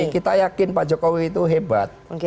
kita yakin pak jokowi itu hebat